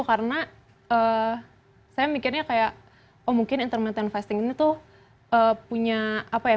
karena saya mikirnya kayak oh mungkin intermittent fasting ini tuh punya apa ya